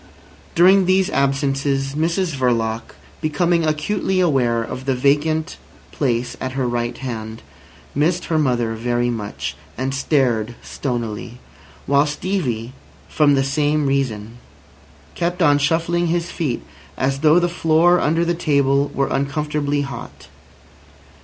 During these absences Mrs Verloc, becoming acutely aware of the vacant place at her right hand, missed her mother very much, and stared stonily; while Stevie, from the same reason, kept on shuffling his feet, as though the floor under the table were uncomfortably hot.